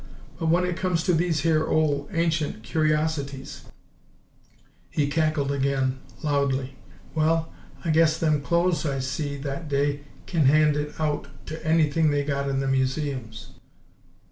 But when it comes to these here ole, ancient curiosities" he cackled again, loudly "well, I guess them clo'es I see, that day, kin hand it out t' anything they got in the museums!